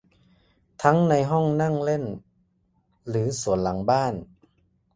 ทั้งในห้องนั่งเล่นหรือสวนหลังบ้าน